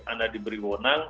anda diberi wonang